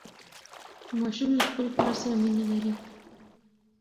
ماشوم له خپل پلار سره مینه لري.